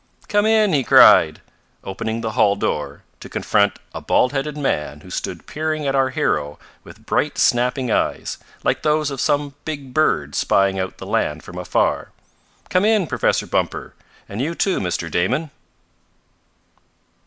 "Come in!" he cried, opening the hall door, to confront a bald headed man who stood peering at our hero with bright snapping eyes, like those of some big bird spying out the land from afar. "Come in, Professor Bumper; and you too, Mr. Damon!"